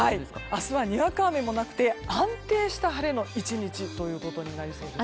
明日はにわか雨もなくて安定した晴れの１日となりそうです。